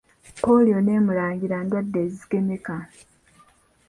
Pooliyo ne mulangira ndwadde ezigemeka.